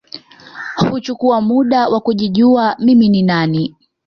Huchukua muda wa kujijua mimi ni nani